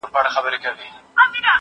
چي په کلي په مالت کي وو ښاغلی